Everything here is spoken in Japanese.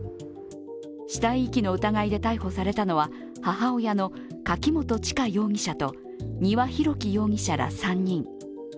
死体遺棄の疑いで逮捕されたのは母親の柿本千香容疑者と丹羽洋樹容疑者ら３人。